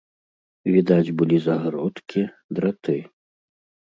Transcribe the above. Відаць былі загародкі, драты.